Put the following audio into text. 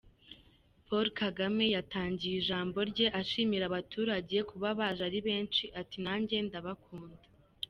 Paul Kagame yatangiye ijambo rye ashimira abaturage kuba baje ari benshi, ati "Nanjye ndabakunda".